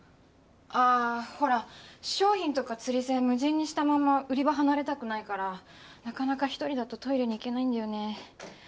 あぁほら商品とか釣り銭無人にしたまま売り場離れたくないからなかなか一人だとトイレに行けないんだよね。